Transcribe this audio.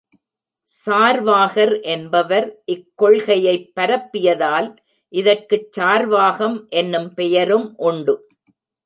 சார்வாகர் என்பவர் இக்கொள்கையைப் பரப்பியதால் இதற்குச் சார்வாகம் என்னும் பெயரும் உண்டு.